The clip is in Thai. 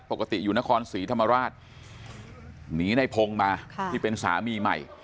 ปกติอยู่นครศรีธรรมราชหนีในพงศ์มาที่เป็นสามีใหม่